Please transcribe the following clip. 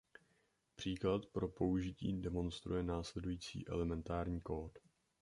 Příklad pro použití demonstruje následující elementární kód.